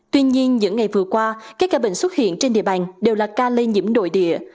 tuy nhiên những ngày vừa qua các ca bệnh xuất hiện trên địa bàn đều là ca lây nhiễm nội địa